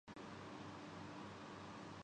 سچ کہتے ہو خودبین و خود آرا ہوں نہ کیوں ہوں